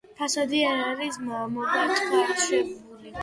ფასადი არ არის მობათქაშებული.